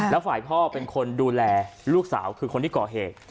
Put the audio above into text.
แล้วฝ่ายพ่อเป็นคนดูแลลูกสาวคือคนที่ก่อเหตุ